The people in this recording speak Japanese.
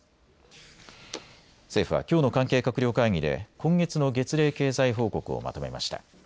政府はきょうの関係閣僚会議で今月の月例経済報告をまとめました。